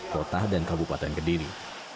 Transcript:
kota dan kabupaten kediri